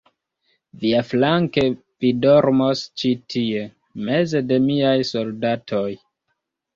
Viaflanke, vi dormos ĉi tie, meze de miaj soldatoj.